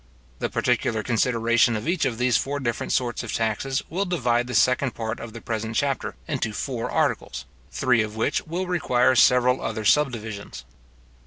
The particular consideration of each of these four different sorts of taxes will divide the second part of the present chapter into four articles, three of which will require several other subdivisions.